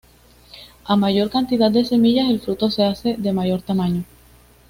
A mayor cantidad de semillas, el fruto se hace de mayor tamaño.